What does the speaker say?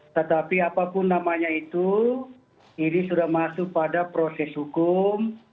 tetapi apapun namanya itu ini sudah masuk pada proses hukum